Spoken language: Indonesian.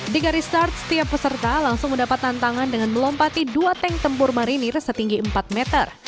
di garis start setiap peserta langsung mendapat tantangan dengan melompati dua tank tempur marinir setinggi empat meter